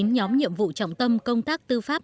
tám nhóm nhiệm vụ trọng tâm công tác tư pháp